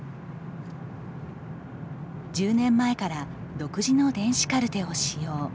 １０年前から独自の電子カルテを使用。